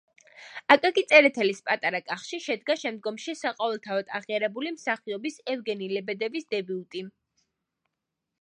აკაკი წერეთლის „პატარა კახში“ შედგა შემდგომში საყოველთაოდ აღიარებული მსახიობის ევგენი ლებედევის დებიუტი.